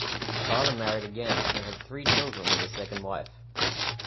His father married again and had three children with his second wife.